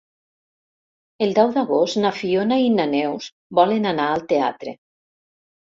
El deu d'agost na Fiona i na Neus volen anar al teatre.